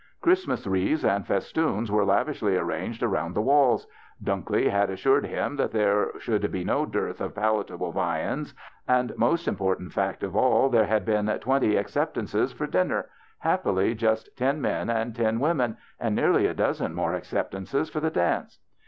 Christ mas wreaths and festoons were lavishly ar ranged around the Avails. Dunklee had as sured him that there should be no dearth of palatable viands, and, most important fact of all, there had been twenty acceptances for dinner, happily just ten men and ten women, and nearly a dozen more acceptances for the dance.